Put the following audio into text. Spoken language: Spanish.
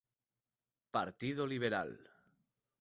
Partido Liberal.